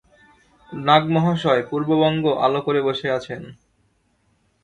নাগ-মহাশয় পূর্ববঙ্গ আলো করে বসে আছেন।